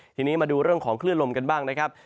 ทีนี้มาดูเรื่องของคลื่นลมกันบ้างนะครับ